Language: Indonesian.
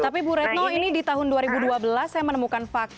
tapi bu retno ini di tahun dua ribu dua belas saya menemukan fakta